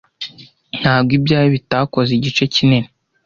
ntabwo ibyawe bitakoze igice kinini